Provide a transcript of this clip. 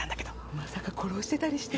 まさか殺してたりして。